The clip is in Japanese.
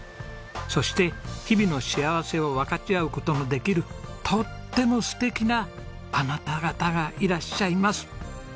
そして日々の幸せを分かち合う事のできるとっても素敵なあなた方がいらっしゃいます。